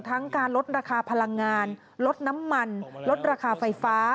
การลดราคาพลังงานลดน้ำมันลดราคาไฟฟ้า